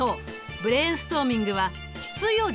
ブレーンストーミングは質より量。